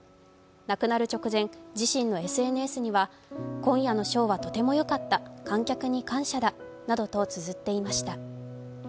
亡くなる直前、自身のＳＮＳには、今夜のショーはとてもよかった観客に感謝だなどとつづっていました。